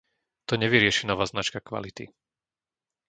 To nevyrieši nová značka kvality.